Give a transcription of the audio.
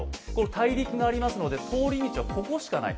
大陸がありますので、通り道はここしかない。